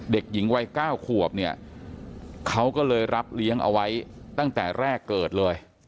เด็กหญิงวัย๙ขวบเนี่ยเขาก็เลยรับเลี้ยงเอาไว้ตั้งแต่แรกเกิดเลย